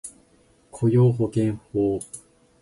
雇用保険法